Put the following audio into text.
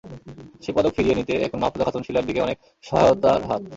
সেই পদক ফিরিয়ে দিতে এখন মাহফুজা খাতুন শিলার দিকে অনেক সহায়তার হাত।